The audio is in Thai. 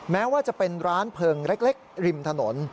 แม้ว่าจะเป็นร้านเพลิงเล็กริมถนน